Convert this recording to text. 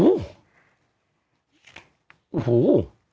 อู้หู้